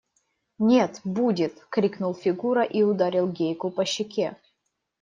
– Нет, будет! – крикнул Фигура и ударил Гейку по щеке.